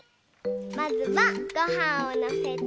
まずはごはんをのせて。